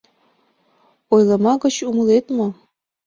Ойлыма гыч умылет мо?